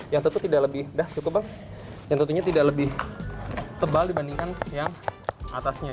yang tentu tidak lebih tebal dibandingkan yang atasnya